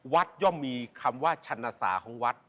ย่อมมีคำว่าชันสาของวัด